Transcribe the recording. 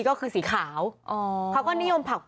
ก็คือสีขาวเขาก็นิยมผัก